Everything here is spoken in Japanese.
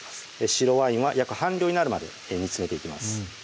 白ワインは約半量になるまで煮つめていきます